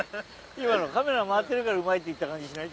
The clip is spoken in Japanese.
今のカメラ回ってるからうまいって言った感じしない？